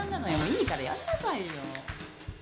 いいからやんなさいよ。